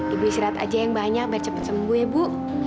ibu istirahat aja yang banyak biar cepat sembuh ya bu